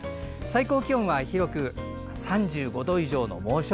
最高気温は広く３５度以上の猛暑